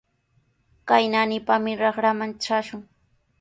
Kay naanipami raqraman trashun.